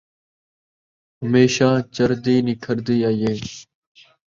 ہمیشاں چردی نکھڑدی آئی ہے